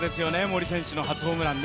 森選手の初ホームラン。